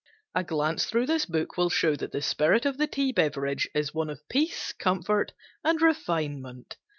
A glance through this book will show that the spirit of the tea beverage is one of peace, comfort, and refinement.